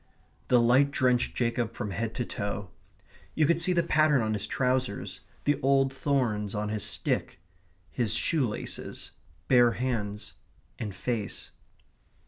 The light drenched Jacob from head to toe. You could see the pattern on his trousers; the old thorns on his stick; his shoe laces; bare hands; and face.